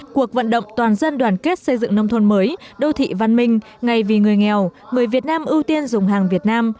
cuộc vận động toàn dân đoàn kết xây dựng nông thôn mới đô thị văn minh ngày vì người nghèo người việt nam ưu tiên dùng hàng việt nam